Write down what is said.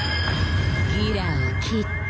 ギラを斬って。